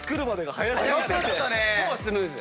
超スムーズ。